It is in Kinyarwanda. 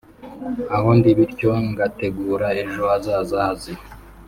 aho ndi bityo ngategura ejo hazaza hazima